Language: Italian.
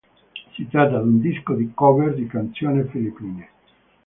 Si tratta di un disco di cover di canzoni filippine.